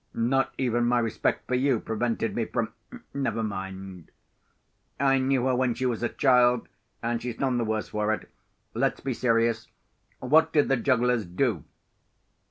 Not even my respect for you prevented me from—never mind; I knew her when she was a child, and she's none the worse for it. Let's be serious. What did the jugglers do?"